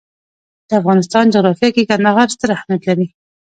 د افغانستان جغرافیه کې کندهار ستر اهمیت لري.